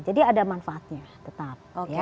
jadi ada manfaatnya tetap